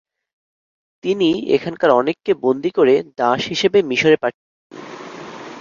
তিনি এখানকার অনেককে বন্দী করে দাস হিসেবে মিশরে পাঠিয়ে দেন।